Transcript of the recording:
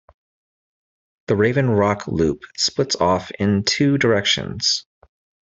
The Raven Rock Loop splits off in two directions.